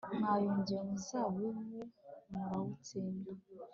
mwayogoje umuzabibu murawutsemba